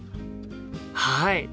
はい！